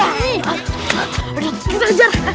aduh kita kejar